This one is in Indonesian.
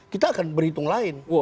kita akan berhitung lain